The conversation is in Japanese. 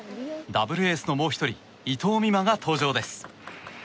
ダブルエースのもう１人伊藤美誠が登場です。